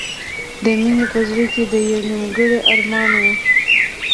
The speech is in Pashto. د مینې په زړه کې یو نیمګړی ارمان و